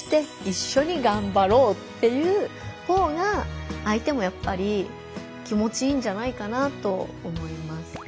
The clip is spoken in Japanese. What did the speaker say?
っていうほうが相手もやっぱり気持ちいいんじゃないかなと思います。